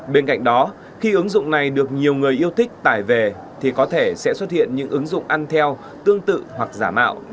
bên cạnh đó khi ứng dụng này được nhiều người yêu thích tải về thì có thể sẽ xuất hiện những ứng dụng ăn theo tương tự hoặc giả mạo